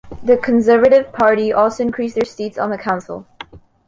The Conservative Party also increased their seats on the council.